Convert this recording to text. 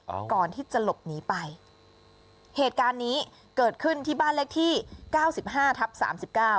ก่อนที่จะหลบหนีไปเหตุการณ์นี้เกิดขึ้นที่บ้านเลขที่เก้าสิบห้าทับสามสิบเก้า